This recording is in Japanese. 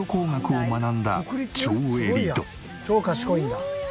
超賢いんだ。